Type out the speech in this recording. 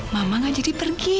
mama nggak jadi pergi